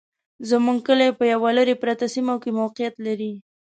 زموږ کلي په يوه لري پرته سيمه کي موقعيت لري